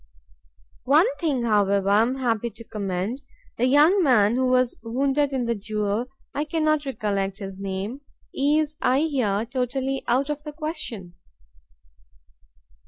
One thing, however, I am happy to commend, the young man who was wounded in the duel I cannot recollect his name is, I hear, totally out of the question."